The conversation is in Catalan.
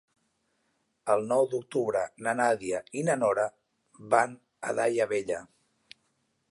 El nou d'octubre na Nàdia i na Nora van a Daia Vella.